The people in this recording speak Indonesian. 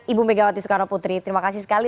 ibu megawati soekarno putri terima kasih sekali